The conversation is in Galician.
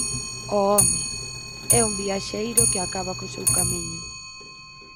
O home: é un viaxeiro que acaba co seu camiño.